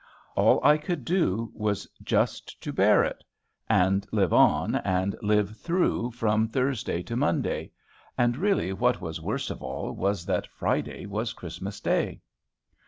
All I could do was just to bear it, and live on, and live through from Thursday to Monday; and, really, what was worst of all was that Friday was Christmas day.